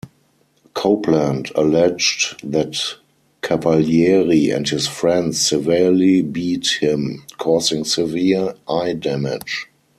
Copeland alleged that Cavalieri and his "friends" severely beat him, causing severe eye damage.